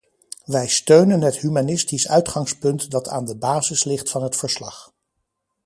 Wij steunen het humanistisch uitgangspunt dat aan de basis ligt van het verslag.